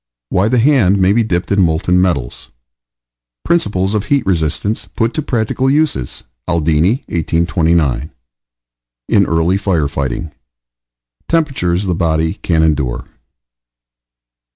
WHY THE HAND MAY BE DIPPED IN MOLTEN METALS. PRINCIPLES OF HEAT RESISTANCE PUT TO PRACTICAL USES: ALDINI, 1829. IN EARLY FIRE FIGHTING. TEMPERATURES THE BODY CAN ENDURE.